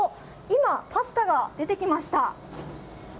今、パスタが出てきました。